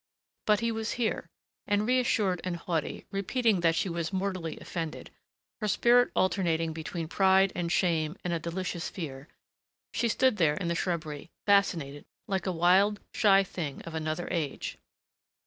But he was here. And reassured and haughty, repeating that she was mortally offended, her spirit alternating between pride and shame and a delicious fear, she stood there in the shrubbery, fascinated, like a wild, shy thing of another age.